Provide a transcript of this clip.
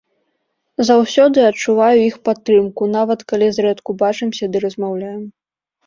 Заўсёды адчуваю іх падтрымку, нават калі зрэдку бачымся ды размаўляем.